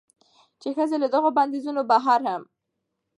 چې ښځې له دغو بندېزونو بهر هم